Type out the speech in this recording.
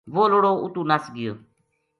وہ لڑو اُتو نَس گیو